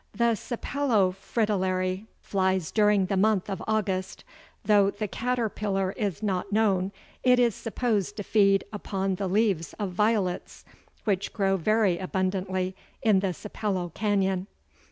The Sapello Fritillary flies during the month of August. Though the caterpillar is not known, it is supposed to feed upon the leaves of violets, which grow very abundantly in the Sapello Canyon.